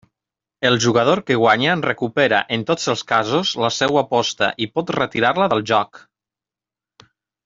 El jugador que guanya recupera, en tots els casos, la seua aposta i pot retirar-la del joc.